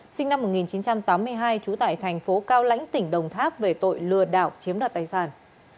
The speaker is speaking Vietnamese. nguyễn thiện nhân sinh năm một nghìn chín trăm tám mươi hai trú tại thành phố cao lãnh tỉnh đồng tháp về tội lừa đảo chiếm đoạt tài sản